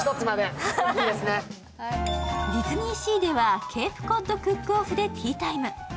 ディズニーシーではケープコッド・クックオフでティータイム。